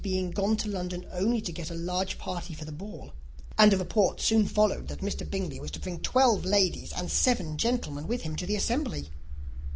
_]] being gone to London only to get a large party for the ball; and a report soon followed that Mr. Bingley was to bring twelve ladies and seven gentlemen with him to the assembly.